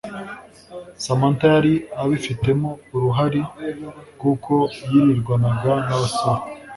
Samantha yari abifitemo uruhari kuko yirirwanaga nabasore